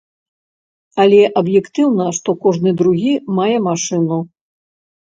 Але аб'ектыўна, што кожны другі мае машыну.